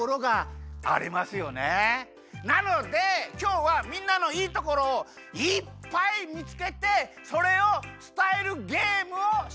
なのできょうはみんなのいいところをいっぱい見つけてそれを伝えるゲームをします！